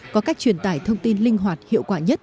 có cách truyền tải thông tin linh hoạt hiệu quả nhất